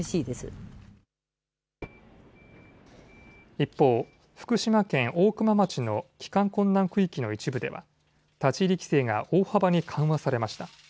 一方、福島県大熊町の帰還困難区域の一部では立ち入り規制が大幅に緩和されました。